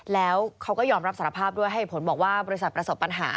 แล้วเขาก็ยอมรับสารภาพด้วยให้ผลบอกว่าบริษัทประสบปัญหา